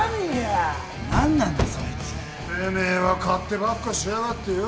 てめえは勝手ばっかしやがってよ。